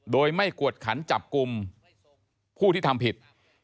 โดยไม่กวดขันจับกลุ่มผู้ที่ทำผิด